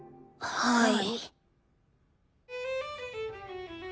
はい。